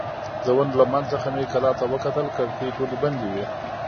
د ونو له منځ څخه مې کلا ته وکتل، کړکۍ ټولې بندې وې.